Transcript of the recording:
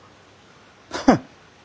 フッ。